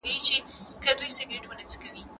د ستونزو حل نه غځول کېږي.